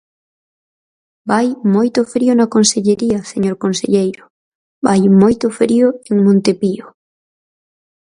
Vai moito frío na Consellería, señor conselleiro, vai moito frío en Montepío.